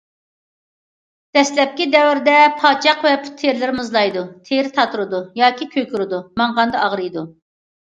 دەسلەپكى دەۋرىدە پاچاق ۋە پۇت تېرىلىرى مۇزلايدۇ، تېرە تاتىرىدۇ ياكى كۆكىرىدۇ، ماڭغاندا ئاغرىيدۇ.